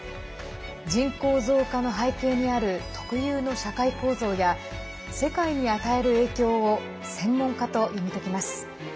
人口増加の背景にある特有の社会構造や世界に与える影響を専門家と読み解きます。